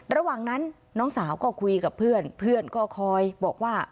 ระหว่างนั้นน้องสาวก็คุยกับเพื่อนเพื่อนก็คอยบอกว่า